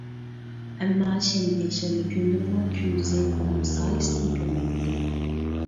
ئەمما شەنبە يەكشەنبە كۈنلىرىمۇ كۈندۈزى ئۇنىڭ سايىسىنىمۇ كۆرمەيتتىم.